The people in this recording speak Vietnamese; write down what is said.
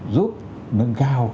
giúp nâng cao